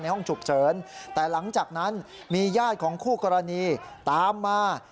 ห้องฉุกเฉินแต่หลังจากนั้นมีญาติของคู่กรณีตามมา